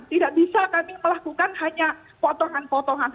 tidak bisa kami melakukan hanya potongan potongan